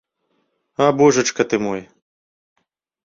А божачка ты мой!